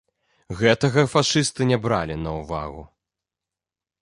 Гэтага фашысты не бралі на ўвагу.